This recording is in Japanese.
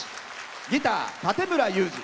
ギター、館村雄二。